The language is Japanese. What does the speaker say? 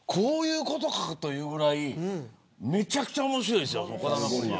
こういうことか、というぐらいめちゃくちゃ面白いんですよ。